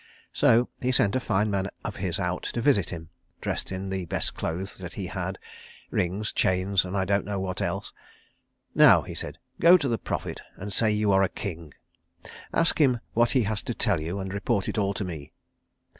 So he sent a fine man of his out to visit him, dressed in the best clothes that he had, rings, chains and I don't know what else. "Now," he said, "go to the prophet, and say you are a king. Ask him what he has to tell you, and report it all to me."